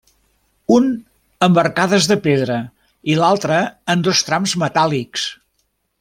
Un amb arcades de pedra i l'altre amb dos trams metàl·lics.